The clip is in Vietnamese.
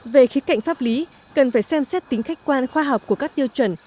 về khí cạnh pháp lý cần phải xem xét tính khách quan khoa học của các tiêu chuẩn